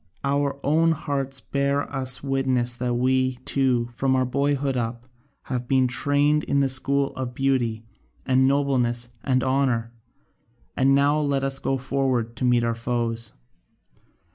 Our own hearts bear us witness that we, too, from our boyhood up, have been trained in the school of beauty and nobleness and honour, and now let us go forward to meet our foes.